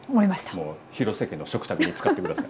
もう廣瀬家の食卓に使って下さい。